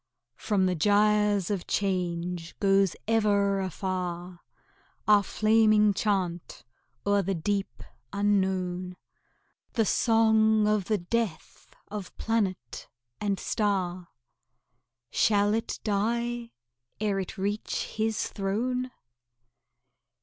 From the gyres of change goes ever afar Our flaming chant o'er the deep unknown, The song of the death of planet and star. Shall it die ere it reach His throne?